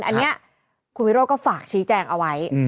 อันนี้คุณวิโรธก็ฝากชี้แจงเอาไว้